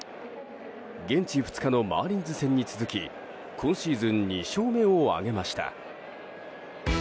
現地２日のマーリンズ戦に続き今シーズン２勝目を挙げました。